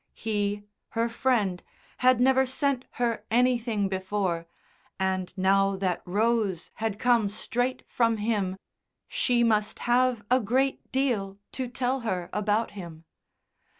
He, her friend, had never sent her anything before, and now that Rose had come straight from him, she must have a great deal to tell her about him.